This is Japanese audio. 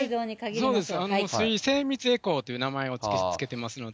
そうです、それに精密エコーという名前を付けてますので。